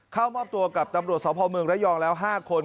เข้ามอบตัวกับตำรวจสพเมืองระยองแล้ว๕คน